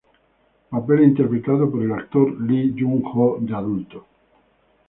Papel interpretado por el actor Lee Jun-ho de adulto.